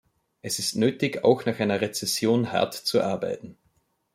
Es ist nötig, auch nach einer Rezession hart zu arbeiten.